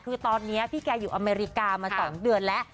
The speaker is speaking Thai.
คือตอนนี้พี่แกอยู่อเมริกามา๒เดือนแล้ว